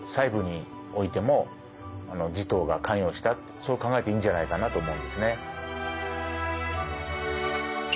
そう考えていいんじゃないかなと思うんですね。